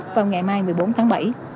vào ngày mai một mươi bốn tháng bảy